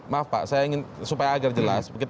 maaf pak saya ingin supaya agar jelas